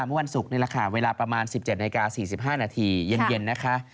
เมื่อวันศุกร์นี่แหละค่ะเวลาประมาณ๑๗นาที๔๕นาทีเย็นนะคะ